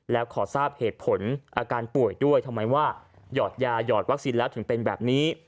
แล้วขอทราบเหตุผลอาการป่วยด้วยทำไมว่าหยอดยาหยอดวัคซีนแล้วถึงเป็นแบบนี้